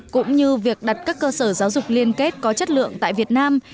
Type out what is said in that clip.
cũng như việc đặt các cơ sở giáo dục liên kết có chất lượng tại việt nam